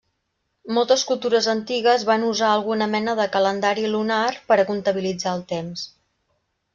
Moltes cultures antigues van usar alguna mena de calendari lunar per a comptabilitzar el temps.